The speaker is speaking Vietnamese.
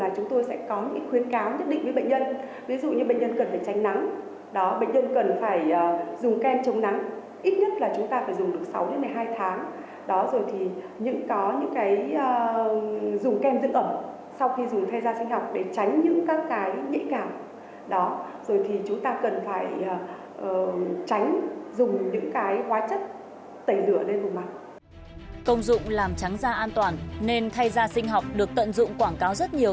công dụng làm trắng da an toàn nên thay da sinh học được tận dụng quảng cáo rất nhiều